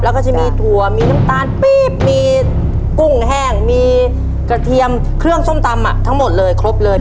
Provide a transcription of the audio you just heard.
แล้วก็จะมีถั่วมีน้ำตาลปี๊บมีกุ้งแห้งมีกระเทียมเครื่องส้มตำทั้งหมดเลยครบเลย